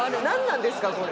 なんなんですか？